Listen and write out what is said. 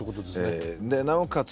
なおかつ